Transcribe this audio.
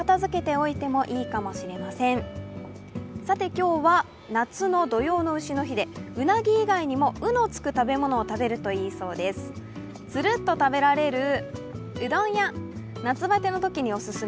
今日は夏の土用のうしの日で、うなぎ以外にも、うのつく食べ物をとるといいそうです。